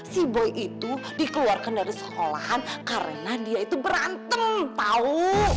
si boi itu dikeluarkan dari sekolahan karena dia itu berantem tau